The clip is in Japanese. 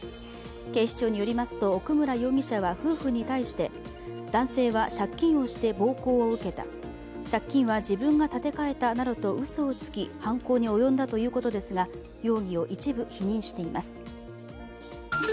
警視庁によりますと奥村容疑者は夫婦に対して男性は借金をして暴行を受けた借金は自分が立て替えたなどとうそをつき、犯行に及んだということですが、容疑を一部否認しています。